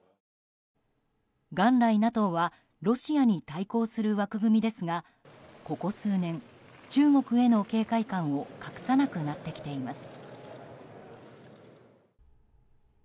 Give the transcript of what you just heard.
元来、ＮＡＴＯはロシアに対抗する枠組みですがここ数年、中国への警戒感を隠さなくなってきています。